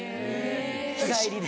日帰りで。